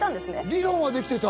理論はできていた？